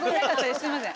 すいません。